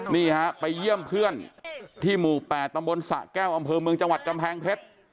นี่ฮะไปเยี่ยมเพื่อนที่หมู่๘ตำบลสะแก้วอำเภอเมืองจังหวัดกำแพงเพชร